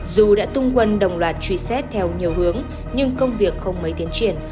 dù đã tung quân đồng loạt truy xét theo nhiều hướng nhưng công việc không mấy tiến triển